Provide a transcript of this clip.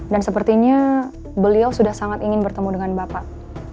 dan sepertinya beliau sudah sangat ingin bertemu dengan bapak